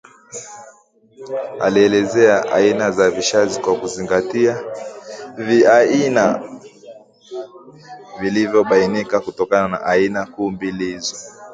alielezea aina za vishazi kwa kuzingatia viaina vilivyobainika kutokana na aina kuu mbili hizo